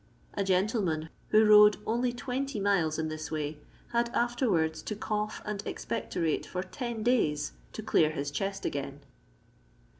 A gentleman who rode only 20 miles in this way had afterwards to cough and ex pectorate for ten days to dear his chest again."